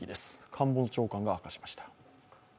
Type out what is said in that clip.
官房長官が明かしました。